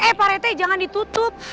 eh pak rete jangan ditutup